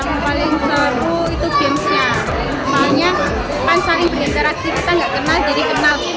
makanya kan saling berinteraksi kita gak kenal jadi kenal